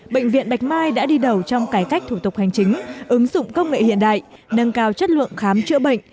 bệnh viện bạch mai đã đi đầu trong cải cách thủ tục hành chính ứng dụng công nghệ hiện đại nâng cao chất lượng khám chữa bệnh